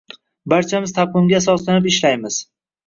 Barchamiz taqvimga asoslanib ishlaymiz